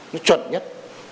nó chuẩn nhất